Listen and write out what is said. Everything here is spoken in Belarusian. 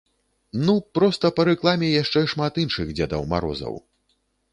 Ну, проста па рэкламе яшчэ шмат іншых дзедаў марозаў.